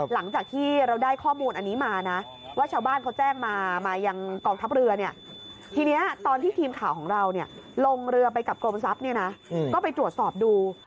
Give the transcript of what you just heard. หลังจากที่เราได้ข้อมูลอันนี้มานะว่าชาวบ้านเขาแจ้งมามายังกองทัพเรือเนี่ยทีนี้ตอนที่ทีมข่าวของเราลงเรือไปกับกรมทรัพย์เนี่ยนะก็ไปตรวจสอบดู